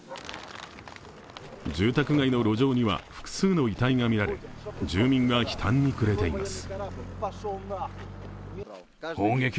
住宅街の路上には複数の遺体が見られ住民は悲嘆に暮れています。